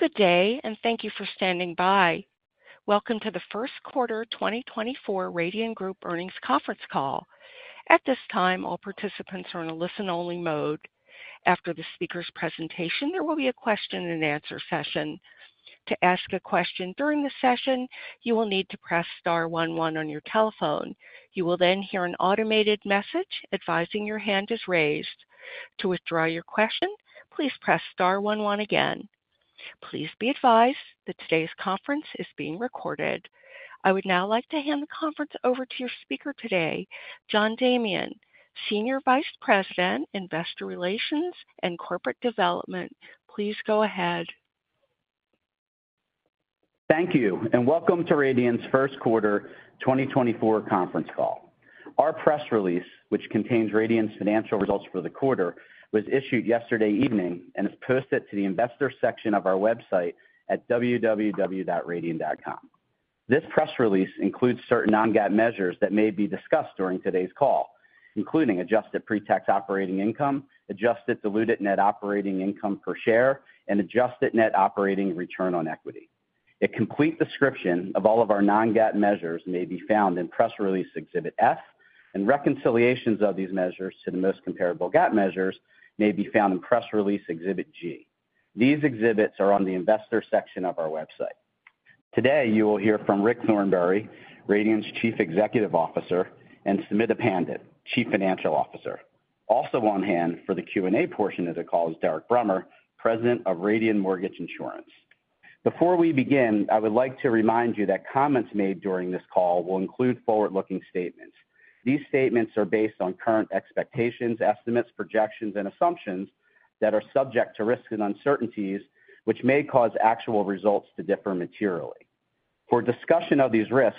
Good day, and thank you for standing by. Welcome to the First Quarter 2024 Radian Group Earnings Conference Call. At this time, all participants are in a listen-only mode. After the speaker's presentation, there will be a question-and-answer session. To ask a question during the session, you will need to press star one one on your telephone. You will then hear an automated message advising your hand is raised. To withdraw your question, please press star one one again. Please be advised that today's conference is being recorded. I would now like to hand the conference over to your speaker today, John Damian, Senior Vice President, Investor Relations and Corporate Development. Please go ahead. Thank you, and welcome to Radian's First Quarter 2024 Conference Call. Our press release, which contains Radian's financial results for the quarter, was issued yesterday evening and is posted to the Investor section of our website at www.radian.com. This press release includes certain non-GAAP measures that may be discussed during today's call, including adjusted pretax operating income, adjusted diluted net operating income per share, and adjusted net operating return on equity. A complete description of all of our non-GAAP measures may be found in press release Exhibit F, and reconciliations of these measures to the most comparable GAAP measures may be found in press release Exhibit G. These exhibits are on the Investor section of our website. Today, you will hear from Rick Thornberry, Radian's Chief Executive Officer, and Sumita Pandit, Chief Financial Officer. Also on hand for the Q&A portion of the call is Derek Brummer, President of Radian Mortgage Insurance. Before we begin, I would like to remind you that comments made during this call will include forward-looking statements. These statements are based on current expectations, estimates, projections, and assumptions that are subject to risks and uncertainties, which may cause actual results to differ materially. For discussion of these risks,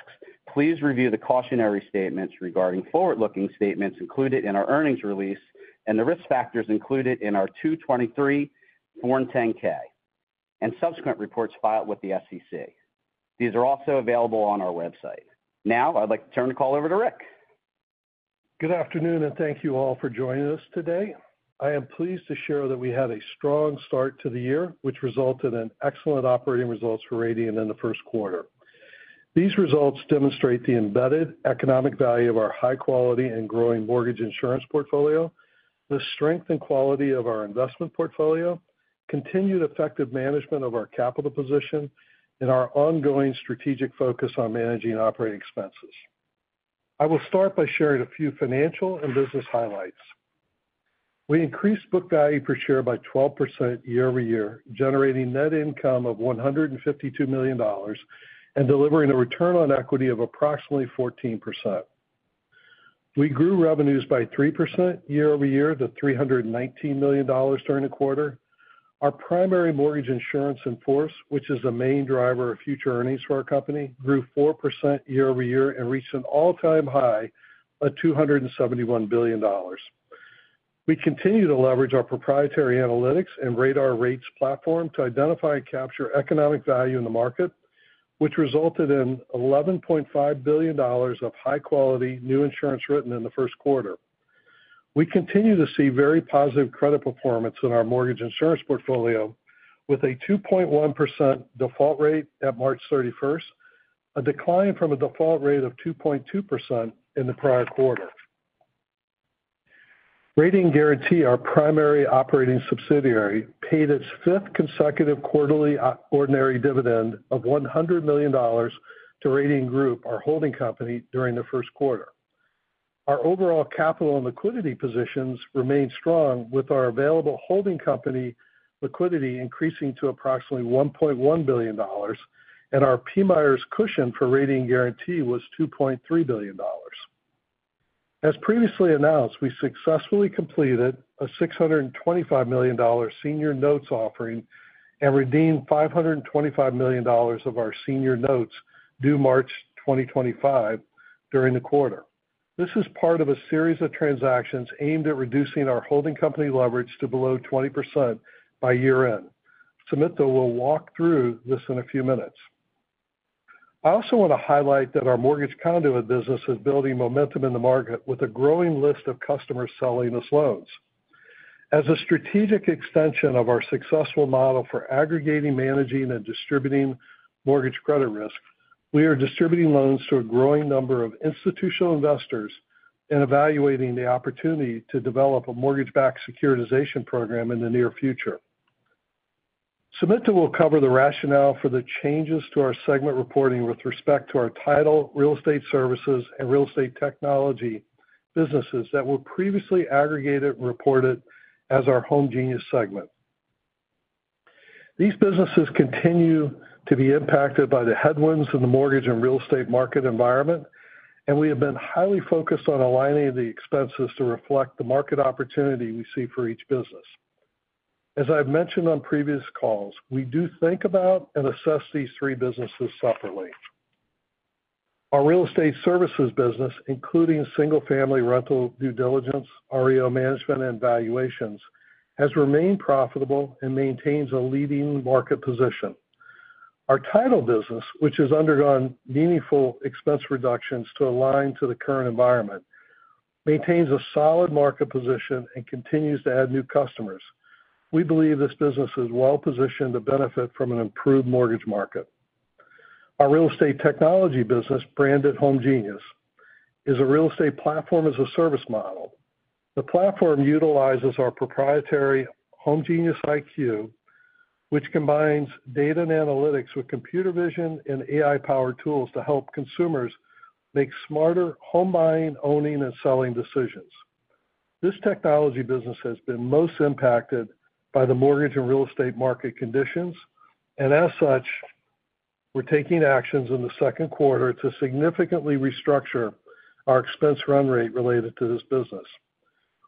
please review the cautionary statements regarding forward-looking statements included in our earnings release and the risk factors included in our 2023 Form 10-K and subsequent reports filed with the SEC. These are also available on our website. Now, I'd like to turn the call over to Rick. Good afternoon, and thank you all for joining us today. I am pleased to share that we had a strong start to the year, which resulted in excellent operating results for Radian in the first quarter. These results demonstrate the embedded economic value of our high quality and growing mortgage insurance portfolio, the strength and quality of our investment portfolio, continued effective management of our capital position, and our ongoing strategic focus on managing operating expenses. I will start by sharing a few financial and business highlights. We increased book value per share by 12% year-over-year, generating net income of $152 million and delivering a return on equity of approximately 14%. We grew revenues by 3% year-over-year to $319 million during the quarter. Our primary mortgage insurance in force, which is the main driver of future earnings for our company, grew 4% year-over-year and reached an all-time high of $271 billion. We continue to leverage our proprietary analytics and Radian Rates platform to identify and capture economic value in the market, which resulted in $11.5 billion of high-quality new insurance written in the first quarter. We continue to see very positive credit performance in our mortgage insurance portfolio, with a 2.1% default rate at March 31st, a decline from a default rate of 2.2% in the prior quarter. Radian Guaranty, our primary operating subsidiary, paid its fifth consecutive quarterly ordinary dividend of $100 million to Radian Group, our holding company, during the first quarter. Our overall capital and liquidity positions remain strong, with our available holding company liquidity increasing to approximately $1.1 billion, and our PMIERs cushion for Radian Guaranty was $2.3 billion. As previously announced, we successfully completed a $625 million senior notes offering and redeemed $525 million of our senior notes due March 2025 during the quarter. This is part of a series of transactions aimed at reducing our holding company leverage to below 20% by year-end. Sumita will walk through this in a few minutes. I also want to highlight that our mortgage conduit business is building momentum in the market with a growing list of customers selling us loans. As a strategic extension of our successful model for aggregating, managing, and distributing mortgage credit risk, we are distributing loans to a growing number of institutional investors and evaluating the opportunity to develop a mortgage-backed securitization program in the near future. Sumita will cover the rationale for the changes to our segment reporting with respect to our title, real estate services, and real estate technology businesses that were previously aggregated and reported as our homegenius segment. These businesses continue to be impacted by the headwinds in the mortgage and real estate market environment, and we have been highly focused on aligning the expenses to reflect the market opportunity we see for each business. As I've mentioned on previous calls, we do think about and assess these three businesses separately. Our real estate services business, including single-family rental, due diligence, REO management, and valuations, has remained profitable and maintains a leading market position. Our title business, which has undergone meaningful expense reductions to align to the current environment, maintains a solid market position and continues to add new customers. We believe this business is well-positioned to benefit from an improved mortgage market. Our real estate technology business, branded homegenius, is a real estate platform as a service model. The platform utilizes our proprietary homegenius IQ, which combines data and analytics with computer vision and AI-powered tools to help consumers make smarter home buying, owning, and selling decisions. This technology business has been most impacted by the mortgage and real estate market conditions, and as such, we're taking actions in the second quarter to significantly restructure our expense run rate related to this business.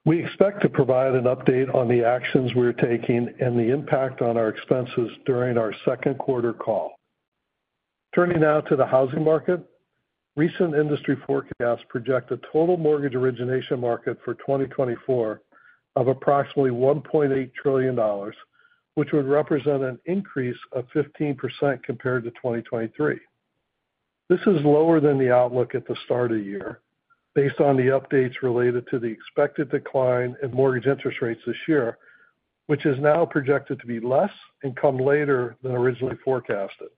We expect to provide an update on the actions we're taking and the impact on our expenses during our second quarter call. Turning now to the housing market. Recent industry forecasts project a total mortgage origination market for 2024 of approximately $1.8 trillion, which would represent an increase of 15% compared to 2023. This is lower than the outlook at the start of the year, based on the updates related to the expected decline in mortgage interest rates this year, which is now projected to be less and come later than originally forecasted.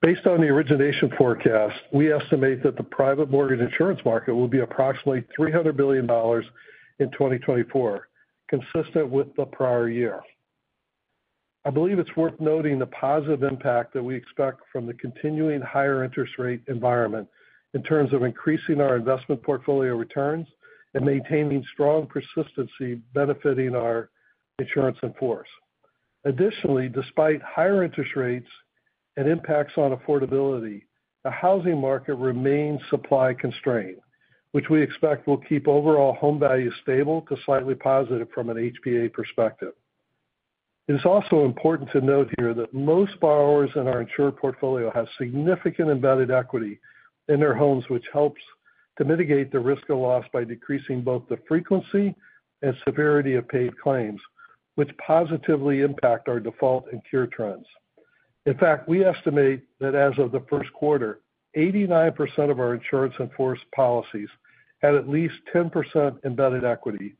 Based on the origination forecast, we estimate that the private mortgage insurance market will be approximately $300 billion in 2024, consistent with the prior year. I believe it's worth noting the positive impact that we expect from the continuing higher interest rate environment in terms of increasing our investment portfolio returns and maintaining strong persistency, benefiting our insurance in force. Additionally, despite higher interest rates and impacts on affordability, the housing market remains supply constrained, which we expect will keep overall home values stable to slightly positive from an HPA perspective. It is also important to note here that most borrowers in our insured portfolio have significant embedded equity in their homes, which helps to mitigate the risk of loss by decreasing both the frequency and severity of paid claims, which positively impact our default and cure trends. In fact, we estimate that as of the first quarter, 89% of our insurance in force policies had at least 10% embedded equity,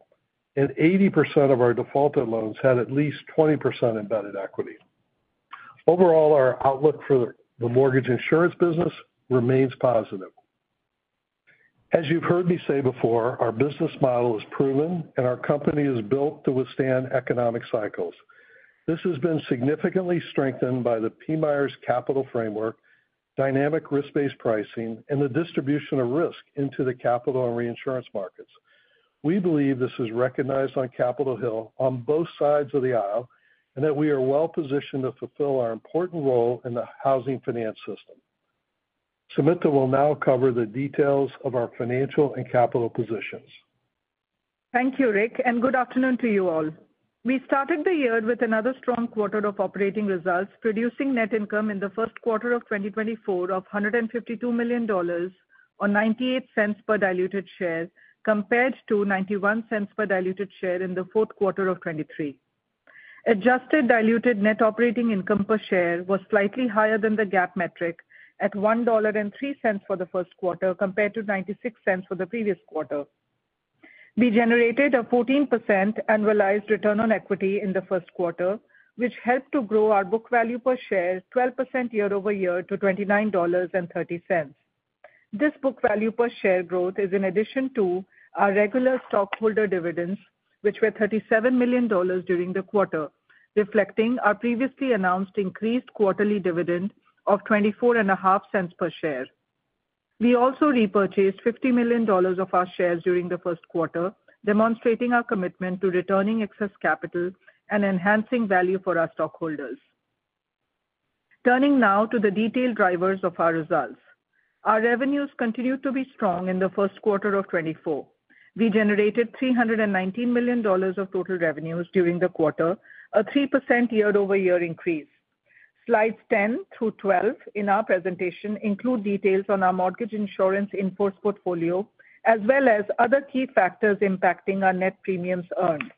and 80% of our defaulted loans had at least 20% embedded equity. Overall, our outlook for the mortgage insurance business remains positive. As you've heard me say before, our business model is proven, and our company is built to withstand economic cycles. This has been significantly strengthened by the PMIERs capital framework, dynamic risk-based pricing, and the distribution of risk into the capital and reinsurance markets. We believe this is recognized on Capitol Hill on both sides of the aisle, and that we are well-positioned to fulfill our important role in the housing finance system. Sumita will now cover the details of our financial and capital positions. Thank you, Rick, and good afternoon to you all. We started the year with another strong quarter of operating results, producing net income in the first quarter of 2024 of $152 million, or $0.98 per diluted share, compared to $0.91 per diluted share in the fourth quarter of 2023. Adjusted diluted net operating income per share was slightly higher than the GAAP metric, at $1.03 for the first quarter, compared to $0.96 for the previous quarter. We generated a 14% annualized return on equity in the first quarter, which helped to grow our book value per share 12% year-over-year to $29.30. This book value per share growth is in addition to our regular stockholder dividends, which were $37 million during the quarter, reflecting our previously announced increased quarterly dividend of $0.245 per share. We also repurchased $50 million of our shares during the first quarter, demonstrating our commitment to returning excess capital and enhancing value for our stockholders. Turning now to the detailed drivers of our results. Our revenues continued to be strong in the first quarter of 2024. We generated $319 million of total revenues during the quarter, a 3% year-over-year increase. Slides 10 through 12 in our presentation include details on our mortgage insurance in-force portfolio, as well as other key factors impacting our net premiums earned.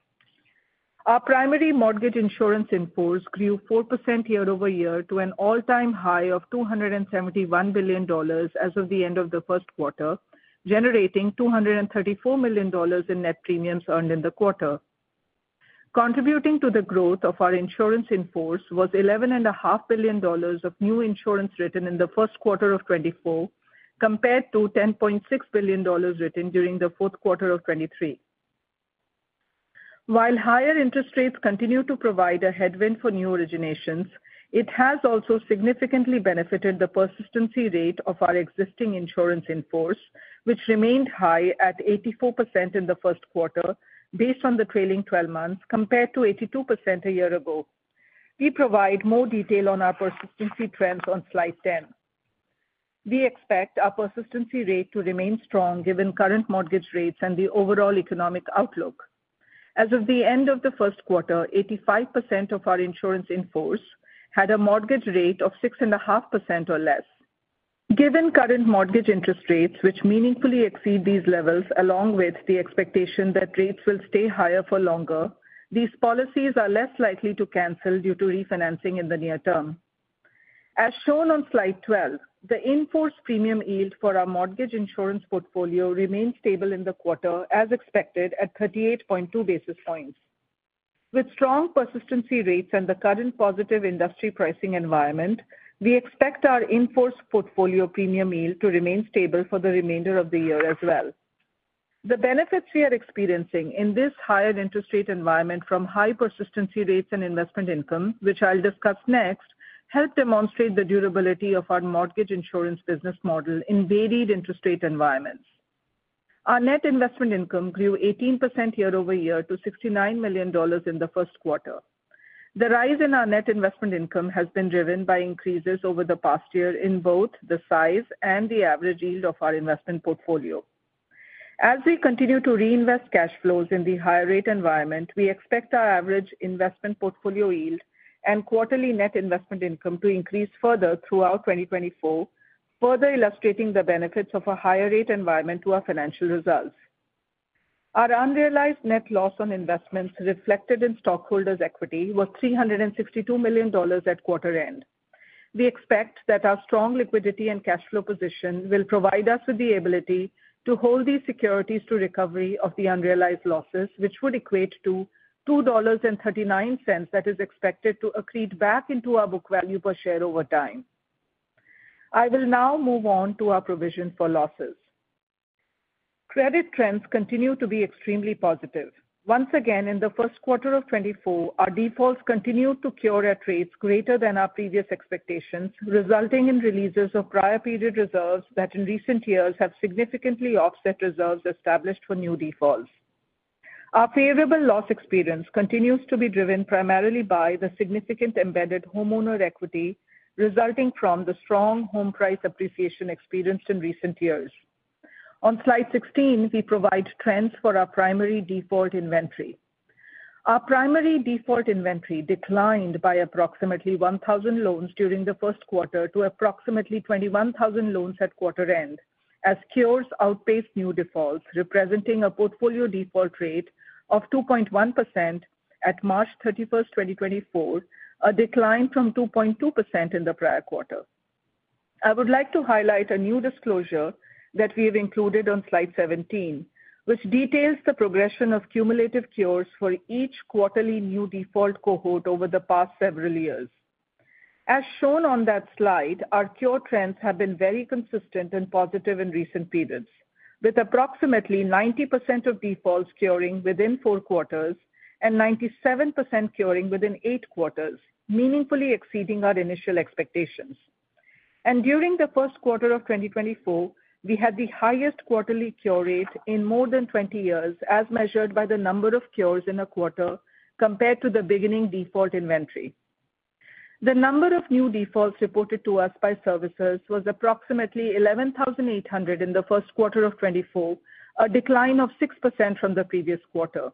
Our primary mortgage insurance in-force grew 4% year-over-year to an all-time high of $271 billion as of the end of the first quarter, generating $234 million in net premiums earned in the quarter. Contributing to the growth of our insurance in force was $11.5 billion of new insurance written in the first quarter of 2024, compared to $10.6 billion written during the fourth quarter of 2023. While higher interest rates continue to provide a headwind for new originations, it has also significantly benefited the persistency rate of our existing insurance in force, which remained high at 84% in the first quarter based on the trailing 12 months, compared to 82% a year ago. We provide more detail on our persistency trends on slide 10. We expect our persistency rate to remain strong, given current mortgage rates and the overall economic outlook. As of the end of the first quarter, 85% of our insurance in force had a mortgage rate of 6.5% or less. Given current mortgage interest rates, which meaningfully exceed these levels, along with the expectation that rates will stay higher for longer, these policies are less likely to cancel due to refinancing in the near term. As shown on slide 12, the in-force premium yield for our mortgage insurance portfolio remained stable in the quarter, as expected, at 38.2 basis points. With strong persistency rates and the current positive industry pricing environment, we expect our in-force portfolio premium yield to remain stable for the remainder of the year as well. The benefits we are experiencing in this higher interest rate environment from high persistency rates and investment income, which I'll discuss next, help demonstrate the durability of our mortgage insurance business model in varied interest rate environments. Our net investment income grew 18% year-over-year to $69 million in the first quarter. The rise in our net investment income has been driven by increases over the past year in both the size and the average yield of our investment portfolio. As we continue to reinvest cash flows in the higher rate environment, we expect our average investment portfolio yield and quarterly net investment income to increase further throughout 2024, further illustrating the benefits of a higher rate environment to our financial results. Our unrealized net loss on investments reflected in stockholders' equity was $362 million at quarter end. We expect that our strong liquidity and cash flow position will provide us with the ability to hold these securities to recovery of the unrealized losses, which would equate to $2.39, that is expected to accrete back into our book value per share over time. I will now move on to our provision for losses. Credit trends continue to be extremely positive. Once again, in the first quarter of 2024, our defaults continued to cure at rates greater than our previous expectations, resulting in releases of prior period reserves that in recent years have significantly offset reserves established for new defaults. Our favorable loss experience continues to be driven primarily by the significant embedded homeowner equity resulting from the strong home price appreciation experienced in recent years. On slide 16, we provide trends for our primary default inventory. Our primary default inventory declined by approximately 1,000 loans during the first quarter to approximately 21,000 loans at quarter end, as cures outpaced new defaults, representing a portfolio default rate of 2.1% at March 31st, 2024, a decline from 2.2% in the prior quarter. I would like to highlight a new disclosure that we have included on slide 17, which details the progression of cumulative cures for each quarterly new default cohort over the past several years. As shown on that slide, our cure trends have been very consistent and positive in recent periods, with approximately 90% of defaults curing within four quarters and 97% curing within eight quarters, meaningfully exceeding our initial expectations. During the first quarter of 2024, we had the highest quarterly cure rate in more than 20 years, as measured by the number of cures in a quarter compared to the beginning default inventory. The number of new defaults reported to us by servicers was approximately 11,800 in the first quarter of 2024, a decline of 6% from the previous quarter.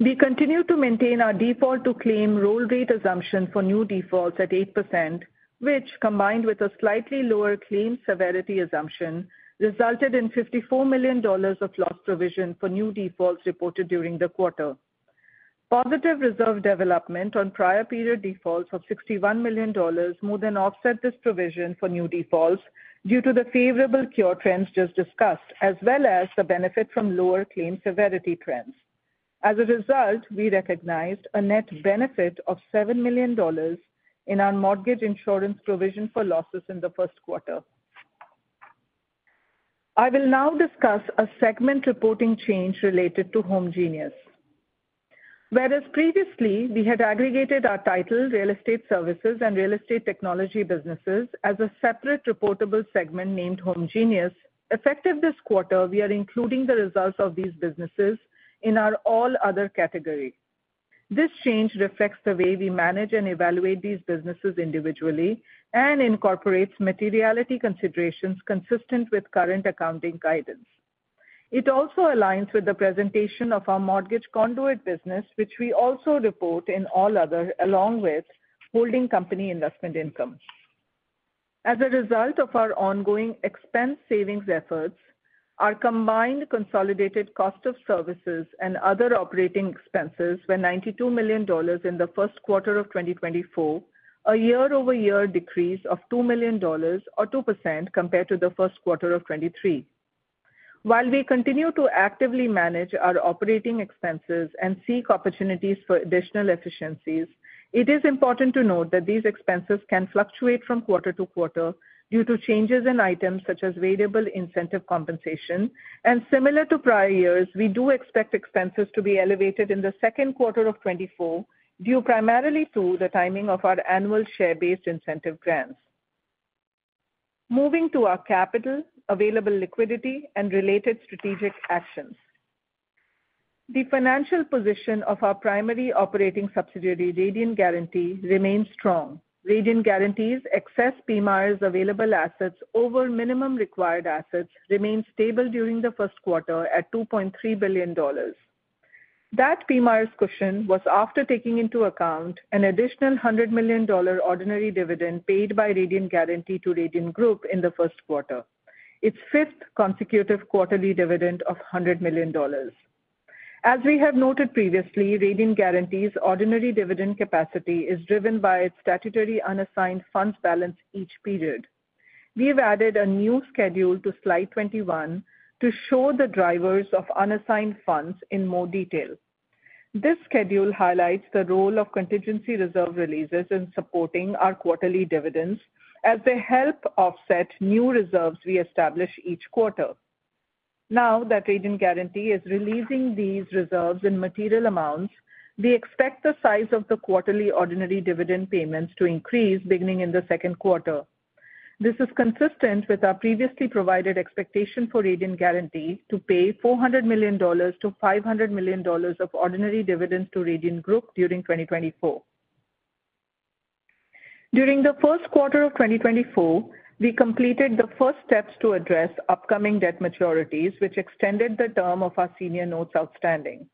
We continue to maintain our default to claim roll rate assumption for new defaults at 8%, which, combined with a slightly lower claim severity assumption, resulted in $54 million of loss provision for new defaults reported during the quarter. Positive reserve development on prior period defaults of $61 million more than offset this provision for new defaults due to the favorable cure trends just discussed, as well as the benefit from lower claim severity trends. As a result, we recognized a net benefit of $7 million in our mortgage insurance provision for losses in the first quarter. I will now discuss a segment reporting change related to homegenius. Whereas previously, we had aggregated our title, real estate services, and real estate technology businesses as a separate reportable segment named homegenius, effective this quarter, we are including the results of these businesses in our all other category. This change reflects the way we manage and evaluate these businesses individually and incorporates materiality considerations consistent with current accounting guidance. It also aligns with the presentation of our mortgage conduit business, which we also report in all other, along with holding company investment income. As a result of our ongoing expense savings efforts, our combined consolidated cost of services and other operating expenses were $92 million in the first quarter of 2024, a year-over-year decrease of $2 million or 2% compared to the first quarter of 2023. While we continue to actively manage our operating expenses and seek opportunities for additional efficiencies, it is important to note that these expenses can fluctuate from quarter to quarter due to changes in items such as variable incentive compensation. Similar to prior years, we do expect expenses to be elevated in the second quarter of 2024, due primarily to the timing of our annual share-based incentive grants. Moving to our capital, available liquidity, and related strategic actions. The financial position of our primary operating subsidiary, Radian Guaranty, remains strong. Radian Guaranty's excess PMIERs available assets over minimum required assets remained stable during the first quarter at $2.3 billion. That PMIERs cushion was after taking into account an additional $100 million ordinary dividend paid by Radian Guaranty to Radian Group in the first quarter, its fifth consecutive quarterly dividend of $100 million. As we have noted previously, Radian Guaranty's ordinary dividend capacity is driven by its statutory unassigned funds balance each period. We've added a new schedule to slide 21 to show the drivers of unassigned funds in more detail. This schedule highlights the role of contingency reserve releases in supporting our quarterly dividends as they help offset new reserves we establish each quarter. Now that Radian Guaranty is releasing these reserves in material amounts, we expect the size of the quarterly ordinary dividend payments to increase beginning in the second quarter. This is consistent with our previously provided expectation for Radian Guaranty to pay $400 million-$500 million of ordinary dividends to Radian Group during 2024. During the first quarter of 2024, we completed the first steps to address upcoming debt maturities, which extended the term of our senior notes outstanding.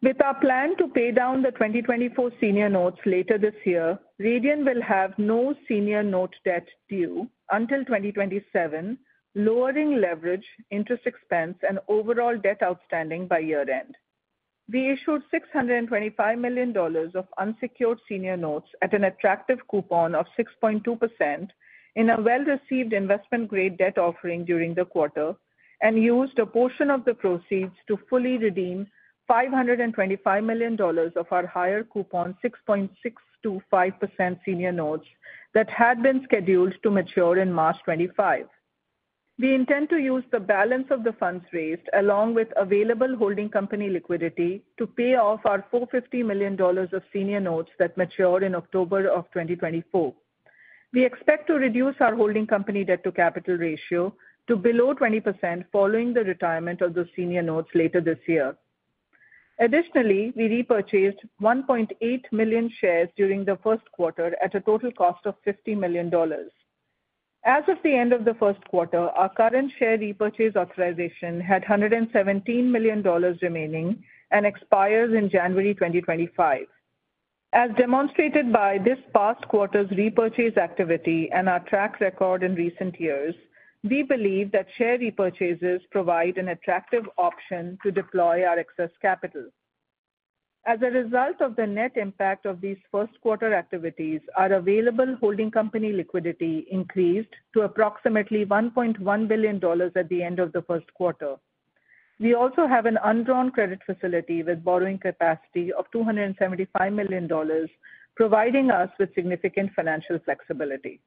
With our plan to pay down the 2024 senior notes later this year, Radian will have no senior note debt due until 2027, lowering leverage, interest expense, and overall debt outstanding by year-end. We issued $625 million of unsecured senior notes at an attractive coupon of 6.2% in a well-received investment grade debt offering during the quarter, and used a portion of the proceeds to fully redeem $525 million of our higher coupon, 6.625% senior notes, that had been scheduled to mature in March 2025. We intend to use the balance of the funds raised, along with available holding company liquidity, to pay off our $450 million of senior notes that mature in October 2024. We expect to reduce our holding company debt to capital ratio to below 20% following the retirement of those senior notes later this year. Additionally, we repurchased 1.8 million shares during the first quarter at a total cost of $50 million. As of the end of the first quarter, our current share repurchase authorization had $117 million remaining and expires in January 2025. As demonstrated by this past quarter's repurchase activity and our track record in recent years, we believe that share repurchases provide an attractive option to deploy our excess capital. As a result of the net impact of these first quarter activities, our available holding company liquidity increased to approximately $1.1 billion at the end of the first quarter. We also have an undrawn credit facility with borrowing capacity of $275 million, providing us with significant financial flexibility.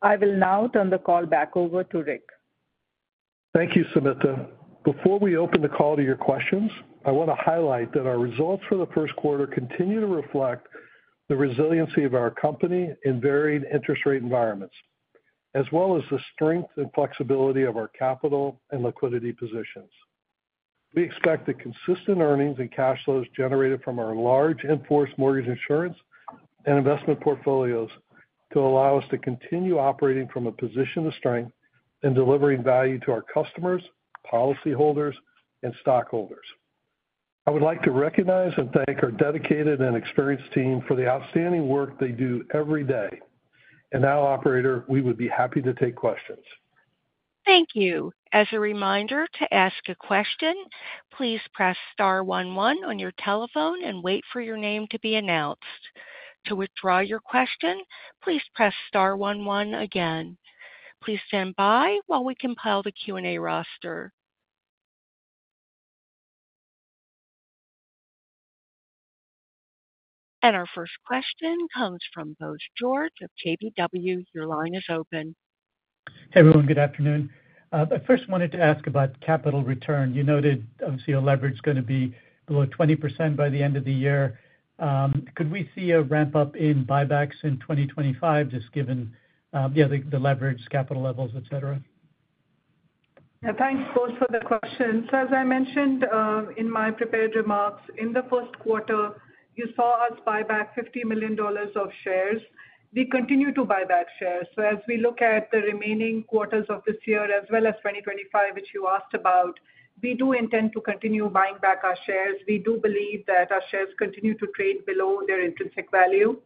I will now turn the call back over to Rick. Thank you, Sumita. Before we open the call to your questions, I want to highlight that our results for the first quarter continue to reflect the resiliency of our company in varying interest rate environments, as well as the strength and flexibility of our capital and liquidity positions. We expect the consistent earnings and cash flows generated from our large in-force mortgage insurance and investment portfolios to allow us to continue operating from a position of strength and delivering value to our customers, policyholders, and stockholders. I would like to recognize and thank our dedicated and experienced team for the outstanding work they do every day. Now, operator, we would be happy to take questions. Thank you. As a reminder, to ask a question, please press star one one on your telephone and wait for your name to be announced. To withdraw your question, please press star one one again. Please stand by while we compile the Q&A roster. Our first question comes from Bose George of KBW. Your line is open. Hey, everyone, good afternoon. I first wanted to ask about capital return. You noted, obviously, your leverage is gonna be below 20% by the end of the year. Could we see a ramp-up in buybacks in 2025, just given the leverage, capital levels, et cetera? Yeah, thanks, Bose, for the question. So as I mentioned, in my prepared remarks, in the first quarter, you saw us buy back $50 million of shares. We continue to buy back shares. So as we look at the remaining quarters of this year, as well as 2025, which you asked about, we do intend to continue buying back our shares. We do believe that our shares continue to trade below their intrinsic value.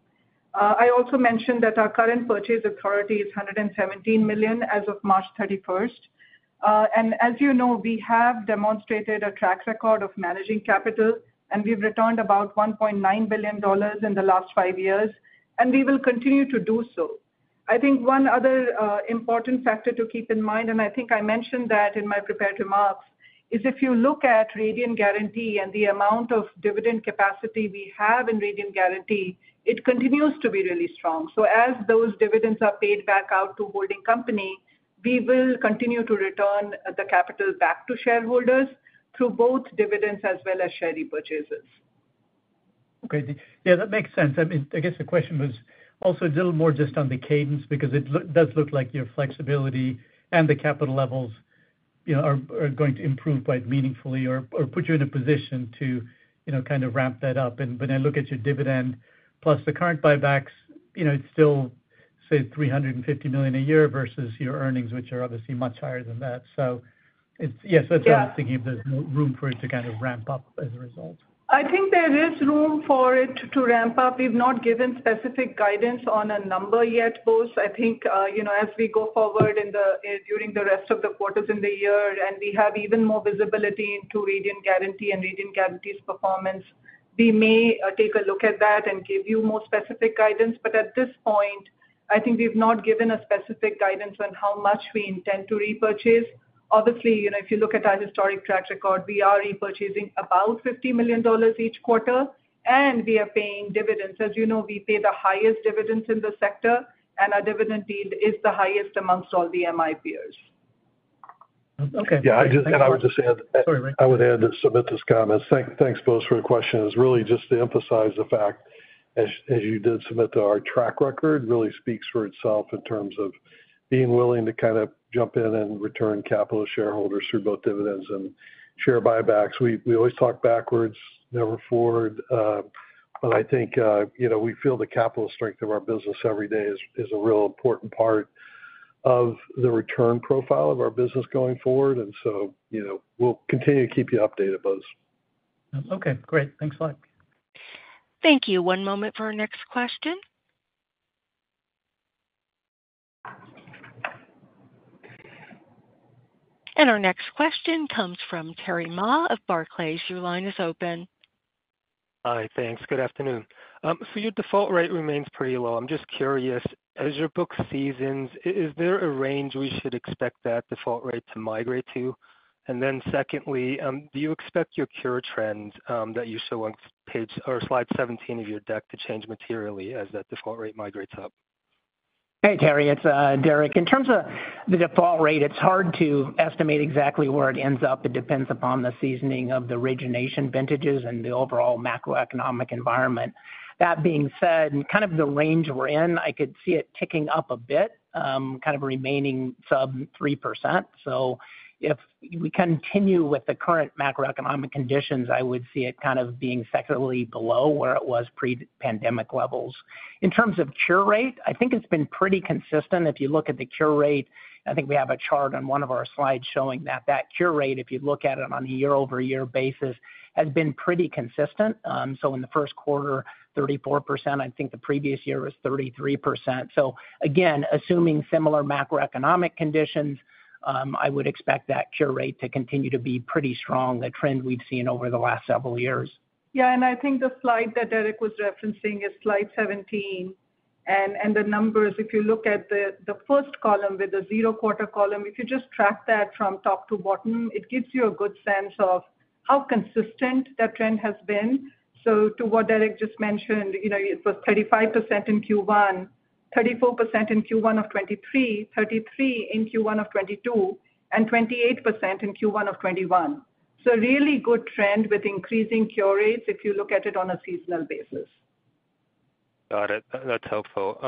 I also mentioned that our current purchase authority is $117 million as of March 31st. And as you know, we have demonstrated a track record of managing capital, and we've returned about $1.9 billion in the last five years, and we will continue to do so. I think one other, important factor to keep in mind, and I think I mentioned that in my prepared remarks, is if you look at Radian Guaranty and the amount of dividend capacity we have in Radian Guaranty, it continues to be really strong. So as those dividends are paid back out to holding company, we will continue to return the capital back to shareholders through both dividends as well as share repurchases. Okay. Yeah, that makes sense. I mean, I guess the question was also a little more just on the cadence, because it does look like your flexibility and the capital levels, you know, are going to improve quite meaningfully or put you in a position to, you know, kind of ramp that up. And when I look at your dividend plus the current buybacks, you know, it's still, say, $350 million a year versus your earnings, which are obviously much higher than that. So yes, so I'm just thinking if there's no room for it to kind of ramp up as a result. I think there is room for it to, to ramp up. We've not given specific guidance on a number yet, Bose. I think, you know, as we go forward in the, during the rest of the quarters in the year, and we have even more visibility into Radian Guaranty and Radian Guaranty's performance, we may, take a look at that and give you more specific guidance. But at this point, I think we've not given a specific guidance on how much we intend to repurchase. Obviously, you know, if you look at our historic track record, we are repurchasing about $50 million each quarter, and we are paying dividends. As you know, we pay the highest dividends in the sector, and our dividend yield is the highest among all the MI peers. Okay. Yeah, I would just add- Sorry, Rick. I would add to Sumita's comments. Thanks, Bose, for the question. It's really just to emphasize the fact, as you did, Sumita, that our track record really speaks for itself in terms of being willing to kind of jump in and return capital to shareholders through both dividends and share buybacks. We always talk backwards, never forward, but I think, you know, we feel the capital strength of our business every day is a real important part of the return profile of our business going forward. And so, you know, we'll continue to keep you updated, Bose. Okay, great. Thanks a lot. Thank you. One moment for our next question. Our next question comes from Terry Ma of Barclays. Your line is open. Hi, thanks. Good afternoon. Your default rate remains pretty low. I'm just curious, as your book seasons, is there a range we should expect that default rate to migrate to? And then secondly, do you expect your cure trends, that you show on page or slide 17 of your deck to change materially as that default rate migrates up? Hey, Terry, it's Derek. In terms of the default rate, it's hard to estimate exactly where it ends up. It depends upon the seasoning of the origination vintages and the overall macroeconomic environment. That being said, and kind of the range we're in, I could see it ticking up a bit, kind of remaining sub 3%. So if we continue with the current macroeconomic conditions, I would see it kind of being secondly below where it was pre-pandemic levels. In terms of cure rate, I think it's been pretty consistent. If you look at the cure rate, I think we have a chart on one of our slides showing that that cure rate, if you look at it on a year-over-year basis, has been pretty consistent. So in the first quarter, 34%, I think the previous year was 33%. So again, assuming similar macroeconomic conditions, I would expect that cure rate to continue to be pretty strong, the trend we've seen over the last several years. Yeah, and I think the slide that Derek was referencing is slide 17. And the numbers, if you look at the first column with the zero quarter column, if you just track that from top to bottom, it gives you a good sense of how consistent that trend has been. So to what Derek just mentioned, you know, it was 35% in Q1, 34% in Q1 of 2023, 33% in Q1 of 2022, and 28% in Q1 of 2021. So a really good trend with increasing cure rates if you look at it on a seasonal basis. Got it. That's helpful.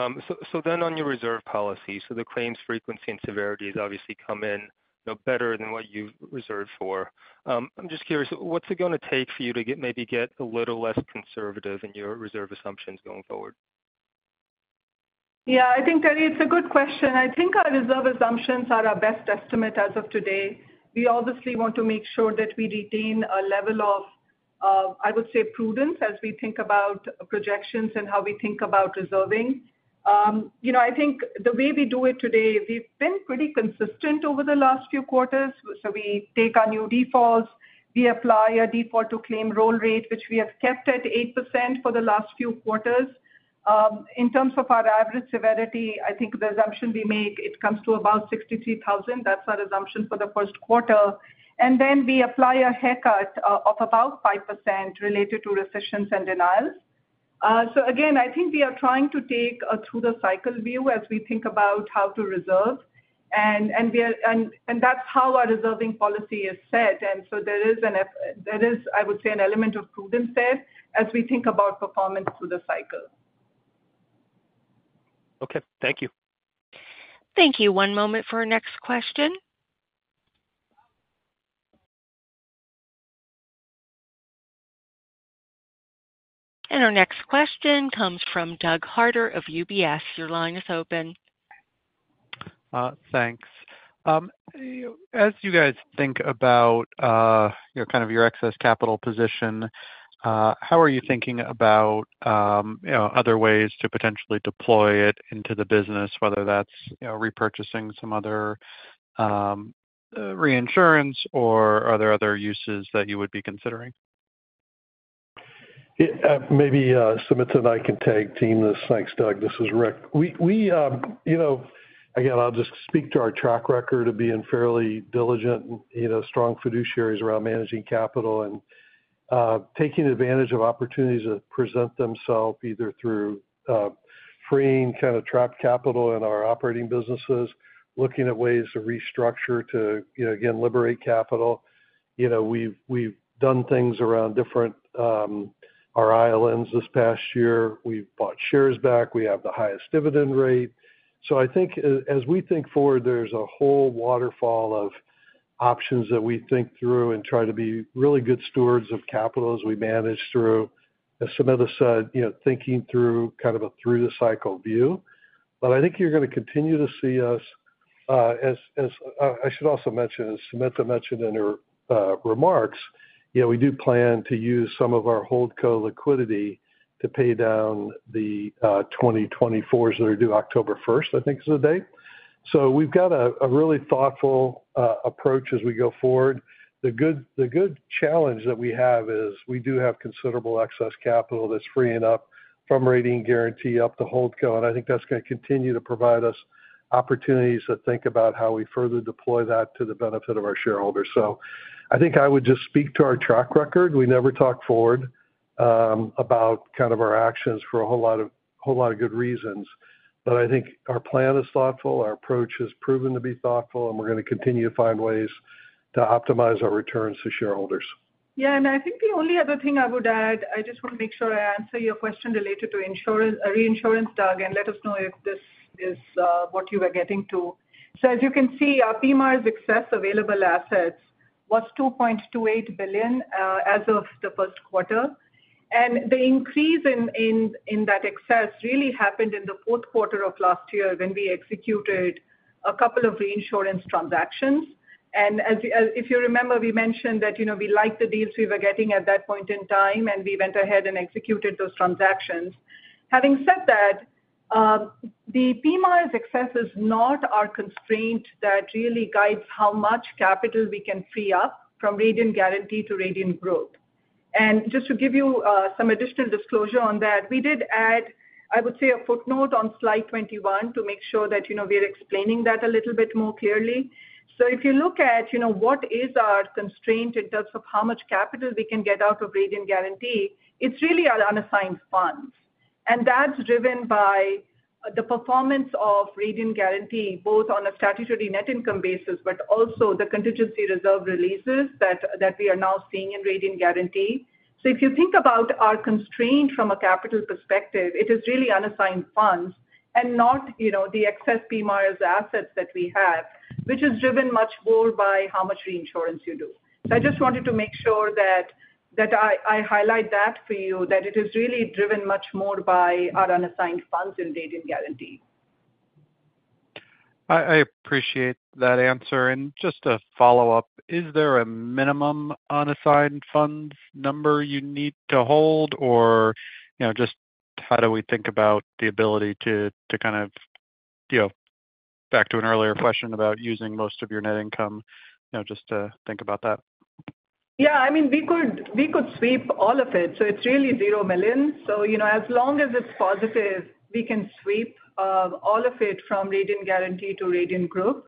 So then on your reserve policy, so the claims frequency and severity has obviously come in, you know, better than what you've reserved for. I'm just curious, what's it gonna take for you to get, maybe get a little less conservative in your reserve assumptions going forward? Yeah, I think, Terry, it's a good question. I think our reserve assumptions are our best estimate as of today. We obviously want to make sure that we retain a level of, I would say, prudence as we think about projections and how we think about reserving. You know, I think the way we do it today, we've been pretty consistent over the last few quarters. So we take our new defaults, we apply a default-to-claim roll rate, which we have kept at 8% for the last few quarters. In terms of our average severity, I think the assumption we make, it comes to about $63,000. That's our assumption for the first quarter. And then we apply a haircut of about 5% related to recessions and denials. So again, I think we are trying to take a through the cycle view as we think about how to reserve. And that's how our reserving policy is set, and so there is, I would say, an element of prudence there as we think about performance through the cycle. Okay, thank you. Thank you. One moment for our next question. Our next question comes from Doug Harter of UBS. Your line is open. Thanks. As you guys think about, you know, kind of your excess capital position, how are you thinking about, you know, other ways to potentially deploy it into the business, whether that's, you know, repurchasing some other reinsurance, or are there other uses that you would be considering? Yeah, maybe, Sumita and I can tag-team this. Thanks, Doug. This is Rick. You know, again, I'll just speak to our track record of being fairly diligent, you know, strong fiduciaries around managing capital and, taking advantage of opportunities that present themselves, either through, freeing kind of trapped capital in our operating businesses, looking at ways to restructure to, you know, again, liberate capital. You know, we've done things around different, our ILNs this past year. We've bought shares back. We have the highest dividend rate. So I think as we think forward, there's a whole waterfall of options that we think through and try to be really good stewards of capital as we manage through. As Sumita said, you know, thinking through kind of a through the cycle view. But I think you're going to continue to see us-... As I should also mention, as Sumita mentioned in her remarks, you know, we do plan to use some of our holdco liquidity to pay down the 2024s that are due October 1st, I think is the date. So we've got a really thoughtful approach as we go forward. The good challenge that we have is we do have considerable excess capital that's freeing up from Radian Guaranty up to Holdco, and I think that's going to continue to provide us opportunities to think about how we further deploy that to the benefit of our shareholders. So I think I would just speak to our track record. We never talk forward about kind of our actions for a whole lot of good reasons. I think our plan is thoughtful, our approach has proven to be thoughtful, and we're going to continue to find ways to optimize our returns to shareholders. Yeah, and I think the only other thing I would add, I just want to make sure I answer your question related to insurance, reinsurance, Doug, and let us know if this is what you were getting to. So as you can see, our PMIERs excess available assets was $2.28 billion as of the first quarter. And the increase in that excess really happened in the fourth quarter of last year when we executed a couple of reinsurance transactions. And as if you remember, we mentioned that, you know, we like the deals we were getting at that point in time, and we went ahead and executed those transactions. Having said that, the PMIERs excess is not our constraint that really guides how much capital we can free up from Radian Guaranty to Radian Group. And just to give you some additional disclosure on that, we did add, I would say, a footnote on slide 21 to make sure that, you know, we are explaining that a little bit more clearly. So if you look at, you know, what is our constraint in terms of how much capital we can get out of Radian Guaranty, it's really our unassigned funds. And that's driven by the performance of Radian Guaranty, both on a statutory net income basis, but also the contingency reserve releases that we are now seeing in Radian Guaranty. So if you think about our constraint from a capital perspective, it is really unassigned funds and not, you know, the excess PMIERs assets that we have, which is driven much more by how much reinsurance you do. So I just wanted to make sure that I highlight that for you, that it is really driven much more by our unassigned funds in Radian Guaranty. I appreciate that answer. Just a follow-up, is there a minimum unassigned funds number you need to hold? Or, you know, just how do we think about the ability to kind of, you know, back to an earlier question about using most of your net income, you know, just to think about that. Yeah, I mean, we could, we could sweep all of it, so it's really $0 million. So, you know, as long as it's positive, we can sweep all of it from Radian Guaranty to Radian Group.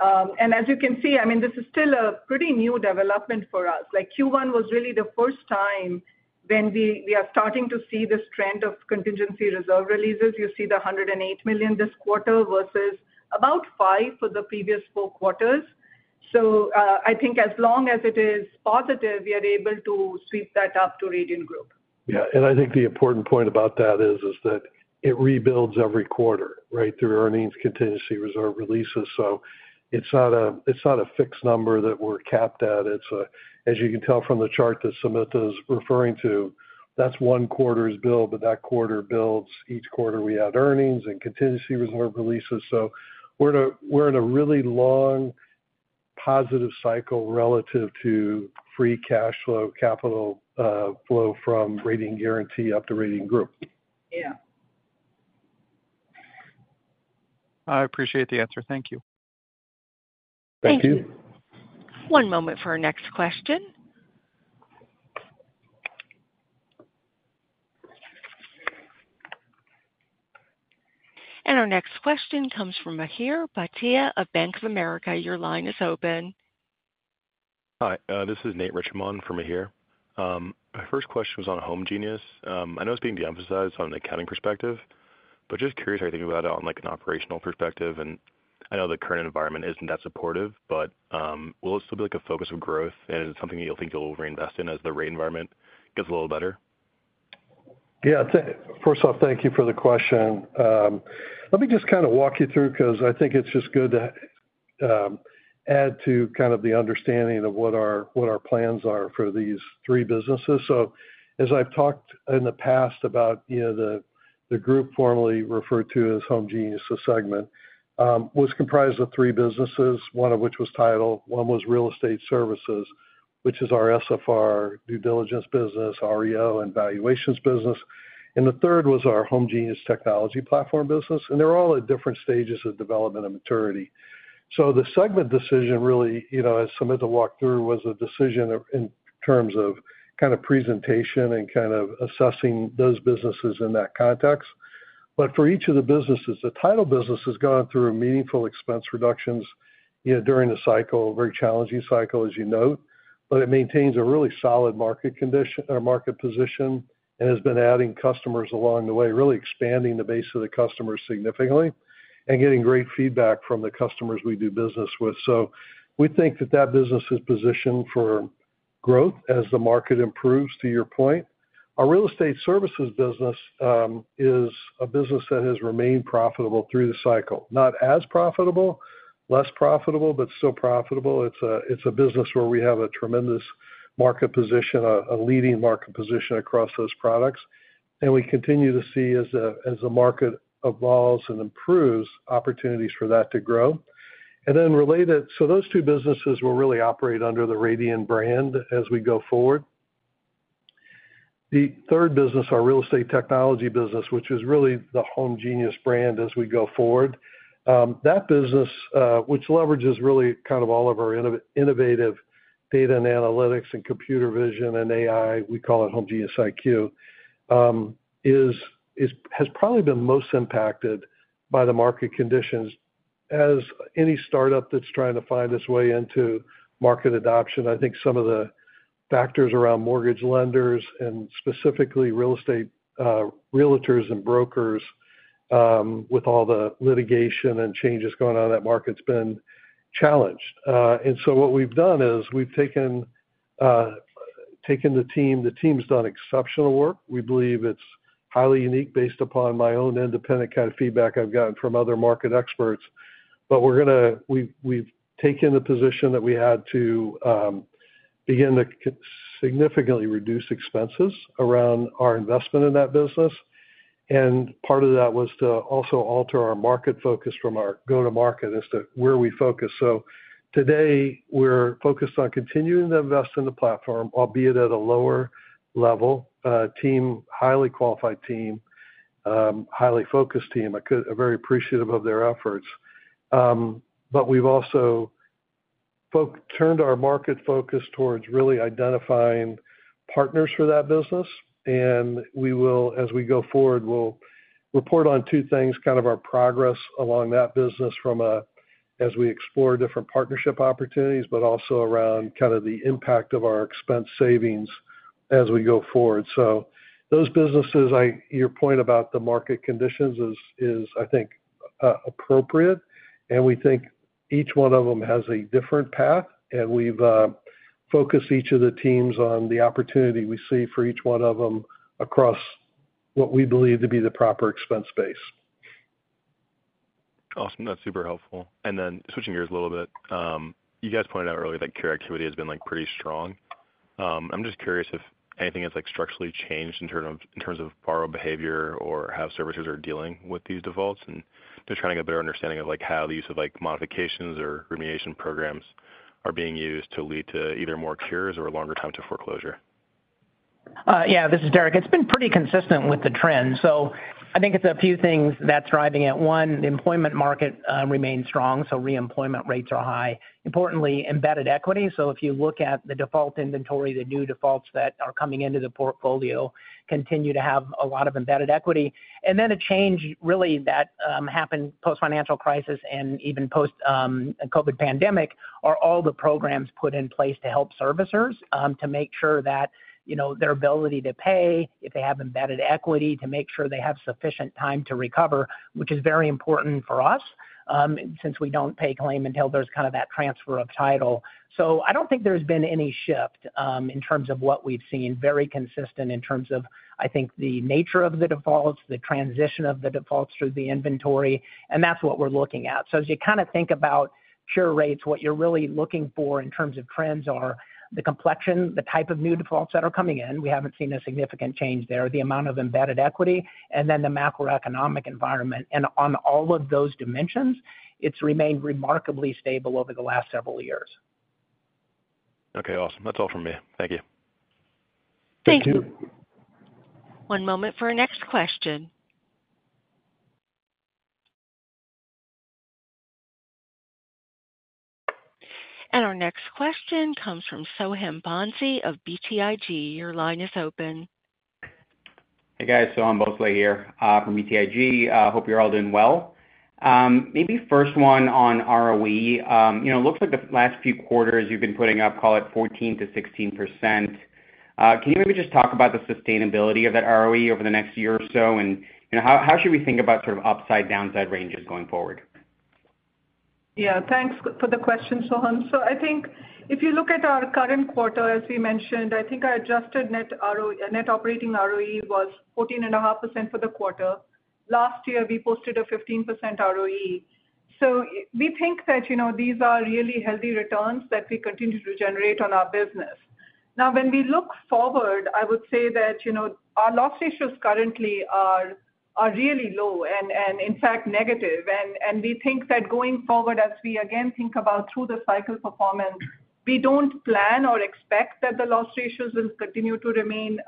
And as you can see, I mean, this is still a pretty new development for us. Like, Q1 was really the first time when we are starting to see this trend of contingency reserve releases. You see the $108 million this quarter versus about $5 for the previous four quarters. So, I think as long as it is positive, we are able to sweep that up to Radian Group. Yeah, and I think the important point about that is, is that it rebuilds every quarter, right, through earnings contingency reserve releases. So it's not a, it's not a fixed number that we're capped at. It's a, as you can tell from the chart that Sumita is referring to, that's one quarter's build, but that quarter builds each quarter we add earnings and contingency reserve releases. So we're in a, we're in a really long, positive cycle relative to free cash flow, capital, flow from Radian Guaranty up to Radian Group. Yeah. I appreciate the answer. Thank you. Thank you. Thank you. One moment for our next question. Our next question comes from Mihir Bhatia of Bank of America. Your line is open. Hi, this is Nate Richman for Mihir. My first question was on homegenius. I know it's being de-emphasized from an accounting perspective, but just curious how you think about it on, like, an operational perspective. I know the current environment isn't that supportive, but will it still be, like, a focus of growth and is it something you think you'll reinvest in as the rate environment gets a little better? Yeah. First off, thank you for the question. Let me just kind of walk you through, because I think it's just good to add to kind of the understanding of what our, what our plans are for these three businesses. So as I've talked in the past about, you know, the, the group formerly referred to as homegenius, the segment was comprised of three businesses, one of which was title, one was real estate services, which is our SFR due diligence business, REO, and valuations business, and the third was our homegenius technology platform business, and they're all at different stages of development and maturity. So the segment decision really, you know, as Sumita walked through, was a decision of in terms of kind of presentation and kind of assessing those businesses in that context. But for each of the businesses, the title business has gone through a meaningful expense reductions, you know, during the cycle, a very challenging cycle, as you note, but it maintains a really solid market condition, or market position and has been adding customers along the way, really expanding the base of the customers significantly and getting great feedback from the customers we do business with. So we think that that business is positioned for growth as the market improves, to your point. Our real estate services business is a business that has remained profitable through the cycle. Not as profitable, less profitable, but still profitable. It's a business where we have a tremendous market position, a leading market position across those products, and we continue to see, as the market evolves and improves, opportunities for that to grow. And then related, so those two businesses will really operate under the Radian brand as we go forward. The third business, our real estate technology business, which is really the homegenius brand as we go forward, that business, which leverages really kind of all of our innovative data and analytics and computer vision and AI, we call it homegenius IQ, has probably been most impacted by the market conditions as any startup that's trying to find its way into market adoption. I think some of the factors around mortgage lenders and specifically real estate, realtors and brokers, with all the litigation and changes going on in that market, it's been challenged. And so what we've done is we've taken the team. The team's done exceptional work. We believe it's highly unique, based upon my own independent kind of feedback I've gotten from other market experts. But we're gonna we've taken the position that we had to begin to significantly reduce expenses around our investment in that business. And part of that was to also alter our market focus from our go-to-market as to where we focus. So today, we're focused on continuing to invest in the platform, albeit at a lower level, team, highly qualified team, highly focused team. I'm very appreciative of their efforts. But we've also turned our market focus towards really identifying partners for that business, and we will, as we go forward, we'll report on two things, kind of our progress along that business as we explore different partnership opportunities, but also around kind of the impact of our expense savings as we go forward. So those businesses, your point about the market conditions is, I think, appropriate, and we think each one of them has a different path, and we've focused each of the teams on the opportunity we see for each one of them across what we believe to be the proper expense base. Awesome. That's super helpful. Then switching gears a little bit, you guys pointed out earlier that cure activity has been, like, pretty strong. I'm just curious if anything has, like, structurally changed in terms of borrower behavior or how servicers are dealing with these defaults, and just trying to get a better understanding of, like, how the use of, like, modifications or remediation programs are being used to lead to either more cures or a longer time to foreclosure. Yeah, this is Derek. It's been pretty consistent with the trend, so I think it's a few things that's driving it. One, the employment market remains strong, so reemployment rates are high. Importantly, embedded equity, so if you look at the default inventory, the new defaults that are coming into the portfolio continue to have a lot of embedded equity. And then a change, really, that happened post-financial crisis and even post COVID pandemic, are all the programs put in place to help servicers to make sure that, you know, their ability to pay, if they have embedded equity, to make sure they have sufficient time to recover, which is very important for us, since we don't pay claim until there's kind of that transfer of title. So I don't think there's been any shift in terms of what we've seen. Very consistent in terms of, I think, the nature of the defaults, the transition of the defaults through the inventory, and that's what we're looking at. So as you kind of think about cure rates, what you're really looking for in terms of trends are the complexion, the type of new defaults that are coming in, the amount of embedded equity, and then the macroeconomic environment. And on all of those dimensions, it's remained remarkably stable over the last several years. Okay, awesome. That's all from me. Thank you. Thank you. Thank you. One moment for our next question. Our next question comes from Soham Bhonsle of BTIG. Your line is open. Hey, guys, Soham Bhonsle here from BTIG. Hope you're all doing well. Maybe first one on ROE. You know, looks like the last few quarters you've been putting up, call it 14%-16%. Can you maybe just talk about the sustainability of that ROE over the next year or so? You know, how should we think about sort of upside, downside ranges going forward? Yeah, thanks for the question, Soham. So I think if you look at our current quarter, as we mentioned, I think our adjusted net operating ROE was 14.5% for the quarter. Last year, we posted a 15% ROE. So we think that, you know, these are really healthy returns that we continue to generate on our business. Now, when we look forward, I would say that, you know, our loss ratios currently are really low and, in fact, negative. And we think that going forward, as we again think about through the cycle performance, we don't plan or expect that the loss ratios will continue to remain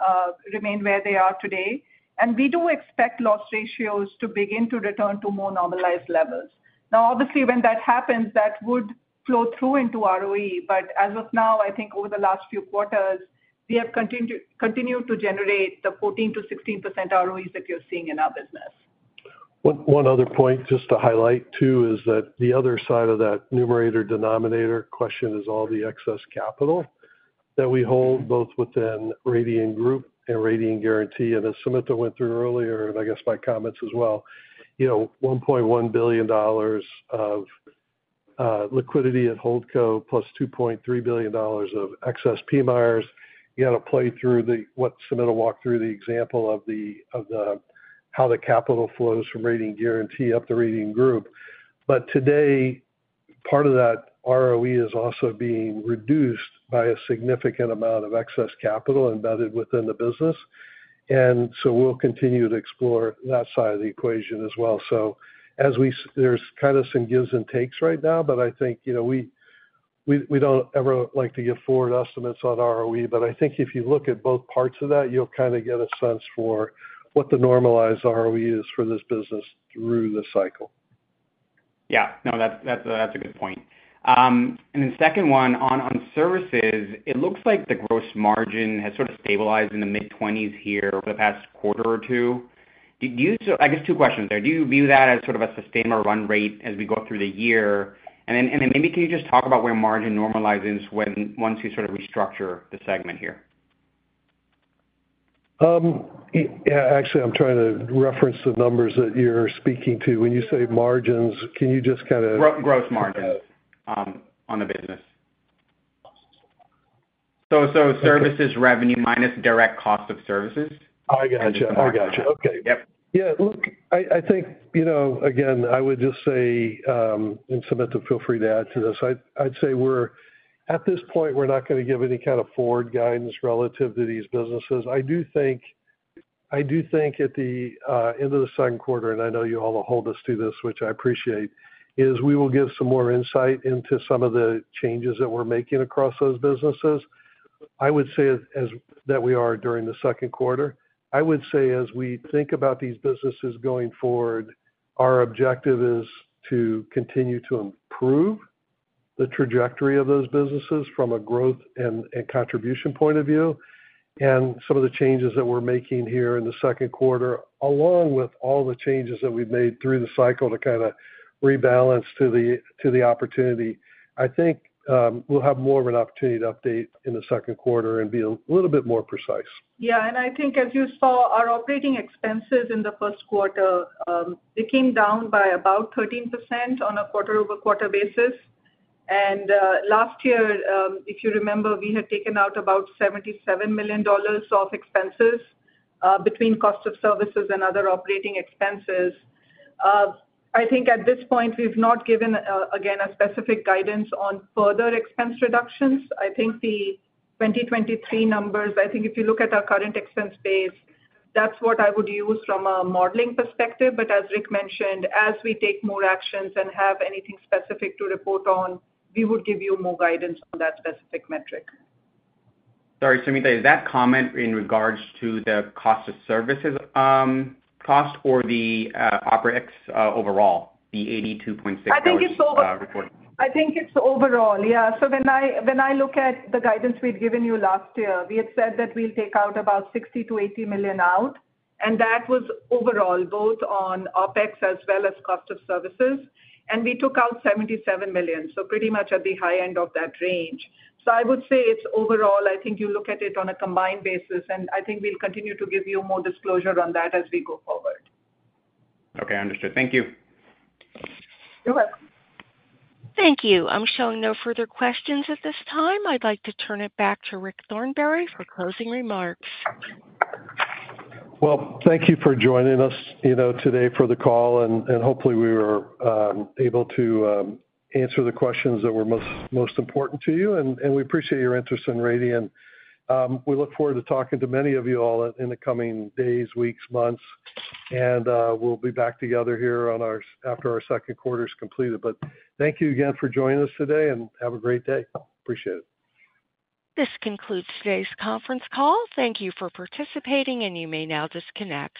where they are today. And we do expect loss ratios to begin to return to more normalized levels. Now, obviously, when that happens, that would flow through into ROE, but as of now, I think over the last few quarters, we have continued to generate the 14%-16% ROEs that you're seeing in our business. One other point just to highlight, too, is that the other side of that numerator/denominator question is all the excess capital that we hold, both within Radian Group and Radian Guaranty. And as Sumita went through earlier, and I guess my comments as well, you know, $1.1 billion of liquidity at holdco, plus $2.3 billion of excess PMIERs. You got to play through the—what Sumita walked through, the example of how the capital flows from Radian Guaranty up to Radian Group. But today, part of that ROE is also being reduced by a significant amount of excess capital embedded within the business. And so we'll continue to explore that side of the equation as well. So, as we, there's kind of some gives and takes right now, but I think, you know, we don't ever like to give forward estimates on ROE. But I think if you look at both parts of that, you'll kind of get a sense for what the normalized ROE is for this business through the cycle. Yeah. No, that, that, that's a good point. And then second one, on, on services, it looks like the gross margin has sort of stabilized in the mid-20s here over the past quarter or two. So I guess two questions there: Do you view that as sort of a sustain or run rate as we go through the year? And then, and then maybe can you just talk about where margin normalizes once you sort of restructure the segment here? Yeah, actually, I'm trying to reference the numbers that you're speaking to. When you say margins, can you just kinda- Gross margins on the business. So, services revenue minus direct cost of services. I gotcha. I gotcha. Okay. Yep. Yeah, look, I, I think, you know, again, I would just say, and Sumita, feel free to add to this. I'd, I'd say we're at this point, we're not gonna give any kind of forward guidance relative to these businesses. I do think, I do think at the end of the second quarter, and I know you all will hold us to this, which I appreciate, is we will give some more insight into some of the changes that we're making across those businesses. I would say that we are during the second quarter. I would say, as we think about these businesses going forward, our objective is to continue to improve the trajectory of those businesses from a growth and contribution point of view, and some of the changes that we're making here in the second quarter, along with all the changes that we've made through the cycle to kinda rebalance to the opportunity. I think we'll have more of an opportunity to update in the second quarter and be a little bit more precise. Yeah, and I think as you saw, our operating expenses in the first quarter, they came down by about 13% on a quarter-over-quarter basis. And, last year, if you remember, we had taken out about $77 million of expenses, between cost of services and other operating expenses. I think at this point, we've not given, again, a specific guidance on further expense reductions. I think the 2023 numbers, I think if you look at our current expense base, that's what I would use from a modeling perspective. But as Rick mentioned, as we take more actions and have anything specific to report on, we would give you more guidance on that specific metric. Sorry, Sumita, is that comment in regards to the cost of services or the OpEx overall, the $82.6? I think it's over- Uh, report. I think it's overall. Yeah. So when I, when I look at the guidance we'd given you last year, we had said that we'll take out about $60 million-$80 million out, and that was overall, both on OpEx as well as cost of services, and we took out $77 million, so pretty much at the high end of that range. So I would say it's overall, I think you look at it on a combined basis, and I think we'll continue to give you more disclosure on that as we go forward. Okay, understood. Thank you. You're welcome. Thank you. I'm showing no further questions at this time. I'd like to turn it back to Rick Thornberry for closing remarks. Well, thank you for joining us, you know, today for the call, and hopefully we were able to answer the questions that were most important to you. We appreciate your interest in Radian. We look forward to talking to many of you all in the coming days, weeks, months, and we'll be back together here after our second quarter is completed. But thank you again for joining us today, and have a great day. Appreciate it. This concludes today's conference call. Thank you for participating, and you may now disconnect.